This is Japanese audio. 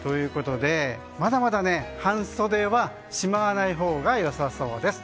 まだまだ半袖はしまわないほうが良さそうです。